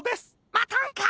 またんか！